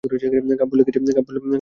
কাব্য লেগেছে তোর মতি।